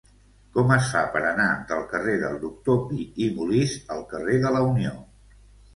Com es fa per anar del carrer del Doctor Pi i Molist al carrer de la Unió?